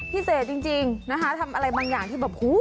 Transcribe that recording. พิเศษจริงนะคะทำอะไรบางอย่างที่แบบหู